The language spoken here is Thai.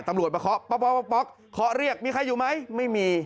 ตำรวจมาเคาะป๊อกป๊อกเคาะเรียกมีใครอยู่ไหมไม่มี